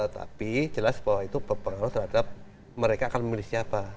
tapi jelas bahwa itu berpengaruh terhadap mereka akan memilih siapa